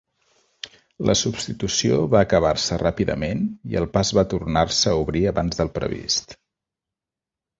La substitució va acabar-se ràpidament i el pas va tornar-se a obrir abans del previst.